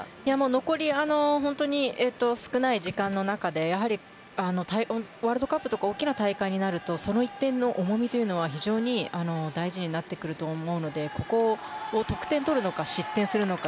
残り本当に少ない時間の中でやはりワールドカップとか大きな大会になるとその１点の重みというのは非常に大事になってくると思うのでここを得点取るのか失点するのか。